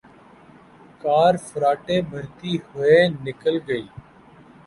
کار فراٹے بھرتی ہوئے نکل گئی۔